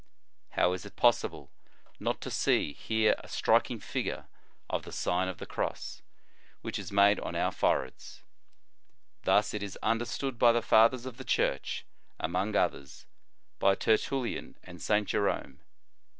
* How is it possible not to see here a strik incr final re of the Sio;n of the Cross which is o o o made on our foreheads ? Thus it is under stood by the Fathers of the Church, among others, by Tertullian and St. Jerome.